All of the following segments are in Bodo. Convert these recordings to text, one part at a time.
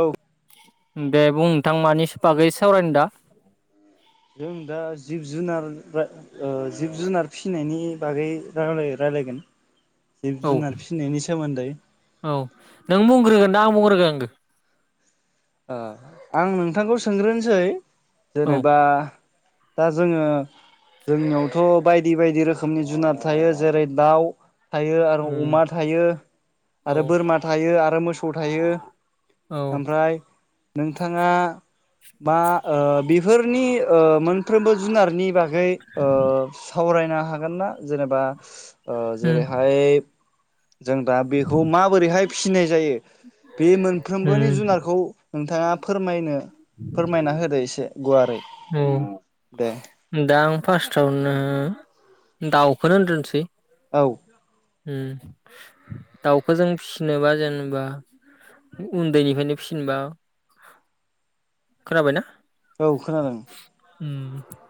औ। दे बुं नोंथां मानि बागै सावरायनो दा? जों दा जिब-जुनार जिब-जुनार फिनायनि बागै रायलायगोन। जिब औ जुनार फिसिनायनि सोमोन्दै औ नों बुंग्रोगोन ना आं बुंग्रोनांगो? ओ आं नोंथांखौ सोंग्रोनोसै। औ जेनेबा दा जोङो जोंनियावथ' बायदि बायदि रोखोमनि जुनार थायो जेरै दाउ थायो आरो अमा थायो औ आरो बोरमा थायो आरो मोसौ थायो औ ओमफ्राय नोंथाङा मा ओ बेफोरनि ओ मोनफ्रोमबो जुनारनि बागै ओ सावरायनो हागोन ना जेनेबा ओ उम जेरैहाय जों दा बेखौ माबोरैहाय फिसिनाय जायो बे मोनफ्रोमबोनि उम जुनारखौ नोंथाङा फोरमायनो फोरमायना होदो एसे गुवारै दे फार्स्टावनो दाउखौनो होनग्रोनसै औ। उम। दाउखो जों फिसिनोबा जेनेबा उन्दैनिफ्रायनो फिसिनोबा खोनाबायना? औ खोनादों।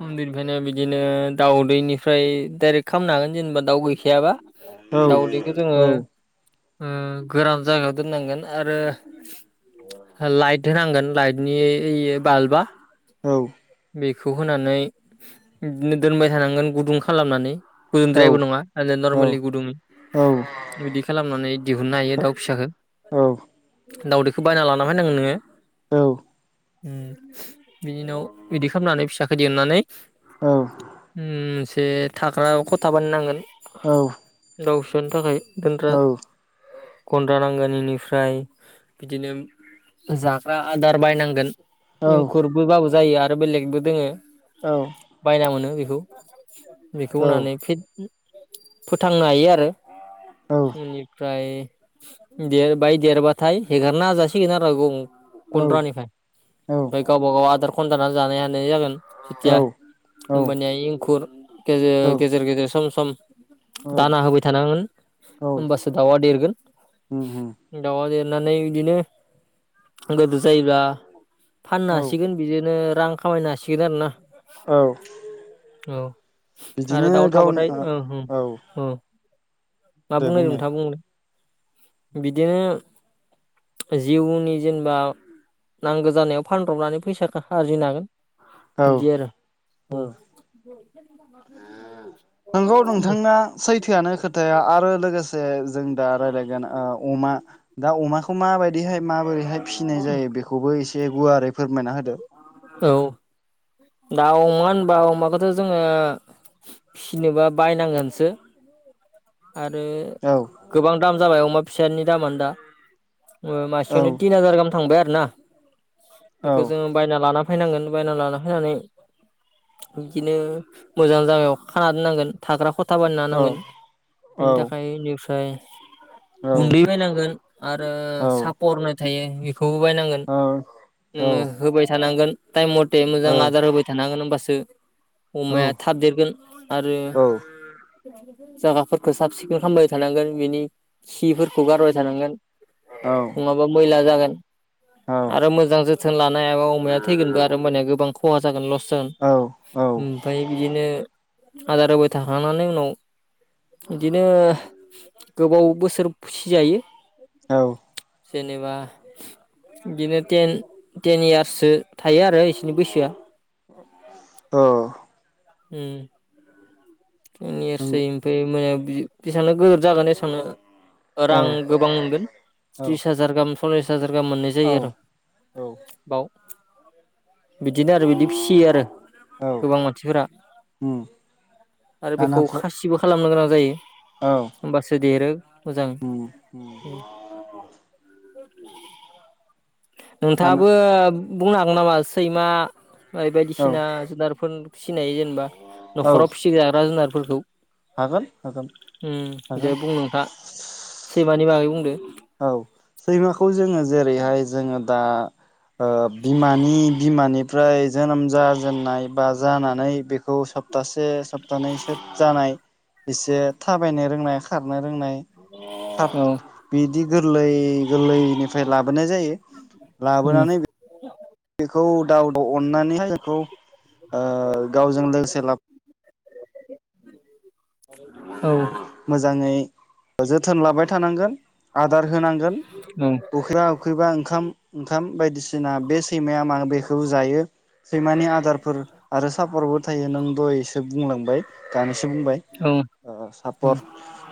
उन्दैनिफ्रायनो बिदिनो दाउदैनिफ्राय डाइरेक्ट खालामनो हागोन जेनेबा दाउ गैखायाबा। औ। खो जोङो औ ओ गोरान जायगायाव दोननांगोन आरो लाइट होनांगोन लाइटनि बाल्बा औ। बेखौ होनानै बिदिनो दोनबाय थानांगोन गुदुं खालामनानै। औ गुदुंद्रायबो नङा औ नरमेलि गुदुं औ बिदि खालामनानै दिहुननो हायो दउ फिसाखौ। औ। दावदैखौ बायना लाना फैनांगोन नोङो। औ। बिनि उनाव बिदि खालामनानै फिसाखौ दिहुनानै उम जे थाग्राखौ खथा बानाय नांगोन। दावसा नि थाखाय गन्द्रा गन्द्रा नांगोन इनिफ्राय बिदिनो जाग्रा आदार बायनांगोन। इम औ खुरग बााबो जायो आरो। आरो बेलेगबो दोङो बायना मोनो बे। ह [inaudible] बेखौ होनानै फि फोथांनो हायो आरो। मानिफ्राय देरबाय देरबाथाय हेगारना जासिगोन आरो। गन्द्रानिफ्राय ओमफ्राय गावबा गाव आदार खनजानानै जानाय हानाय जागोन। जेथिया औ हबानिया एंखुर औ गेजेर गेजेर गेजेर सम सम औ दाना होबाय थानांगोन औ होमबासो दाउआ देरगोन उम उम दाउआ देर फिनानै बिदिनो गोदिर जायोब्ला फाननो औ हासिगोन बिदिनो रां खामायनो हासिगोन आरो ना। औ औ आरो बिदिनो दाउ थाबाथाय गावनो ओं ओं औ मा बुंनाय नोंथां बुं दे बिदिनो जिउनि जेनेबा नांगौ जानायाव फानब्रबनानै फैसा थाखा आरजिनो हागोन। औ बिदि आरो। औ [unintelligible] नोंगौ नोंथांना सै थोयानो खोथाया आरो लोगोसे जों दा रायलायगोन अमा दा अमाखौ माबायदिहाय माबोरैहाय फिसिनाय जायो बेखौबो एसे गुवारै फोरमायना होदो? औ दा अमा होनबा अमाखौथ' जोङो फिनोबा बायनांगोनसो। आरो औ गोबां दाम जाबाय अमा फिसानि दामानो दा। औ मासेयावनो तिन हाजार गाहाम थांबाय आरो। ना औ बेखौ जोङो बायना लाना बायनांगोन बायना लाना होनानै बिदिनो मोजां जागायाव खाना दोननांगोन थाग्राफोर बानायना होनांगोन औ बिनि थाखाय बेनिफ्राय औ गुन्दै बायनांगोन आरो औ सापर थायो बेखौबो बायनांगोन औ नोङो होबाय थानांगोन। टायेम मटे औ मोजां आदार होबाय थानांगोन होमबासो औ अमाया थाब देरगोन आरो जागाफोरखौ साब सिखोन खालामबाय थानांगोन बिनि खिफोरखौ गारबाय थानांगोन। औ नङाबा मैला जागोन। आरो मोजां जो जोथोन लानो हायाबा अमाया थैगोनबो आरो होमबानिया गोबां खहा जागोन लस जागोन ओमफ्राय बिदिनो आदार होबाय थाखांनानै उनाव बिदिनो गोबाव बोसोर फिजायो। औ जेनेबा बिदिनोे टेन-टेन इयार्ससो थायो आरो बिनि बैसोआ औ ओम टेन इयारसै ओमफ्राय मैया बे-बेसेबांनो गोदोर जागोन एसेबांनो रां गोबां मोनगोन त्रिस हाजार गाहाम सलिस हाजार गाम मोननाय औ जायो आरो औ औ बाव बिदिनो आरो बिदि फिसियो आरो औ गोबां मानसिफोरा उम आरो बेखौ दानाफोर खासिबो खालाम खालामनो गोनां जायो। औ ओम्बासो देरो मोजां उम उम [unintelligible] दाना नोंथाङाबो बुंनो हागोन नामा सैमा? फ्राय औ बायदिसिना जुनारफोर फिसिनाय जेनेबा औ न'खराव फिसिग्रा जुनारफोरखौ ओम हागोन हागोन दे हागोन बुं नोंथां सैमानि बागै बुं बुंंदो औ सैमाखौ जोङो जेरैहाय जोङो दा ओ बिमानि बिमानिफ्राय जोनोम जाजेननाय बा जानानै बेखौ सप्तासे सप थानैसो जानाय एसे थाबायनो रोंनाय खार [unintelligible] नाय रोंनाय सार औ बिदि गोरलै गोरलैनिफ्राय लाबोनाय जायो उम लाबोनानै बेखौ [unintelligible] [inaudible] अननानैहाय बेखौ गावजों लोगोसे ला औ। मोजांङै जोथोन लाबाय थानांगोन आदार होनांगोन उखैबा उखैबा ओंखाम - ओंखाम बायदिसिना बे सैमाया मा बेखौ जायो सैमानि आदारफोर आरो सापर्टबो थायो नों दहायसो बुंलांबाय सो बुंबाय [unintelligible]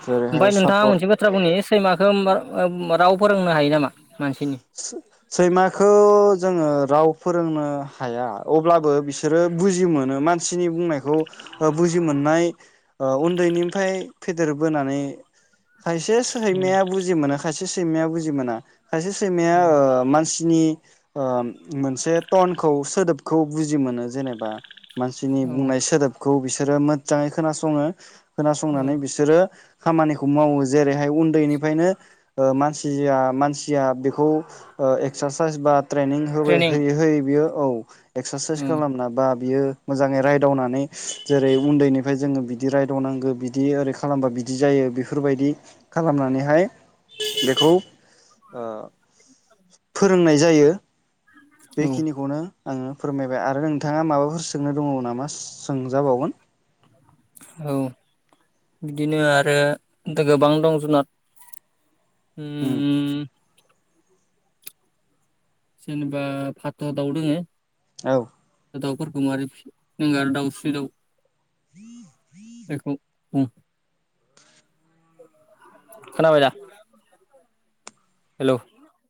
जेरैहाय ओमफाय नोंथां आं सापर्ट मोनसे बाथ्रा बुंनि सैमाखो [unintelligible] राव फोरोंनो हायो नामा? मानसिनि सैमाखौ जोङो राव फोरोंनो हाया अब्लाबो बिसोरो बुजियोमोन [unintelligible] मानसि [unintelligible] बुंनायखौ बुजि मोननाय ओ उन्दैनिफाय फेदेरबोनानै खायसे औ सैमाया बुजि मोनो खायसे सैमाया बुजि मोना खायसे [unintelligible] सैमाया ओ मानसिनि मोनसे टनखौ सोदोबखौ बुजि मोनो जेनेबा मानसिनि औ बुंनाय सोदोबखौ [unintelligible] बिसोरो मोजाङै खोनासङो औ खोनासंनानै बिसोरो खामानिखौ मावो जेरैहाय उन्दैनिफायनो ओ मानसिया - मानसिया बे [unintelligible] ओ एक्सारसाइस बा ट्रेनिं होबाय ट्रेनिं होयै होयै बियो औ। एक्सारसाइस औ खालामना बा बियो मोजाङै रायदावनानै जेरै उन्दैनिफ्राय जोङो बि दि रायदावनांगौ बिदि ओरै खालामबा बिदि जायो बेफोरबायदि खालामनानैहाय बेखौ ओ फोरोंनाय जायो औ बेखिनिखौनो आंङो फोरमायबाय आरो नोंथाङा माबाफोर सोंनो दङ नामा सोंजाबावगोन? औ बिदिनो आरो गोबां दं जुनार उम। जेनेबा फाथ' दाउ दोङो। औ। दाउफोरखौ मारै आरो दाउस्रि दाउ। [inaudible] बेखौ [inaudible] खोनाबायदा। हेलौ।